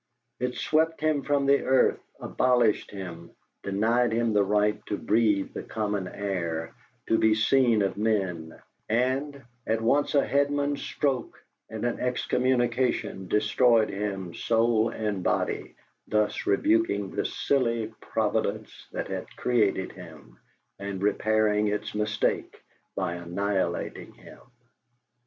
It swept him from the earth, abolished him, denied him the right to breathe the common air, to be seen of men; and, at once a headsman's stroke and an excommunication, destroyed him, soul and body, thus rebuking the silly Providence that had created him, and repairing Its mistake by annihilating him.